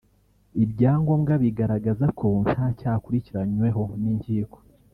ibyangombwa bigaragaza ko nta cyaha akurikirannyweho n’inkiko